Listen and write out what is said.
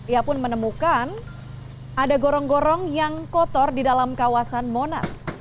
ia pun menemukan ada gorong gorong yang kotor di dalam kawasan monas